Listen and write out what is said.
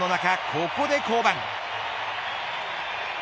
ここで降板。